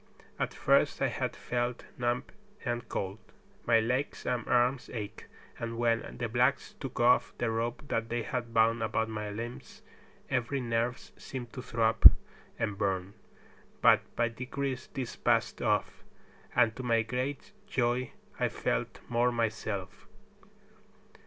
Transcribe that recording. At first I had felt numbed and cold. My legs and arms ached, and when the blacks took off the rope that they had bound about my limbs every nerve seemed to throb and burn; but by degrees this passed off, and to my great joy I felt more myself.